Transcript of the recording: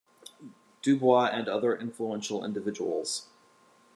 Du Bois and other influential individuals.